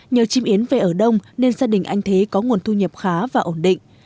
nhờ chim yến về ở đông nên gia đình anh thế có nguồn thu nhập khá và ổn định